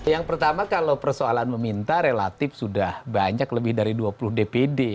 yang pertama kalau persoalan meminta relatif sudah banyak lebih dari dua puluh dpd